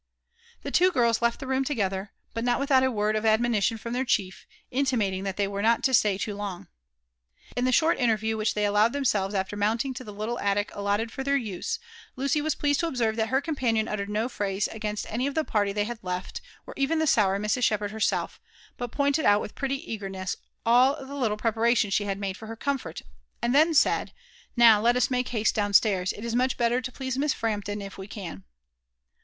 Tbe two girls left the room together, but not without a word of ad monition from their chief, intimating that they were nut lo stay too long. In the short interview which they allowed themselves after mount * Ing lo the little aliic allolted for their use, Lucy was pleased to observe that her companion uttered no phrase against any of iho party they had kft, or even the sour Mrs. Shepherd herself, but pointed out with 9 • 13t LIFE AND ADVENTURES OF pretty e^agerness all the little preparations she had made for her com fort, and then said, '' Now let us make haste down stairs ; it is much better to please Miss Frampton if we can."